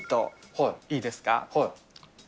はい。